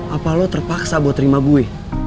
apa lo terpaksa buat terima gue